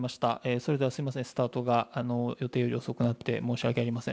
それではすみません、スタートが予定より遅くなって申し訳ありません。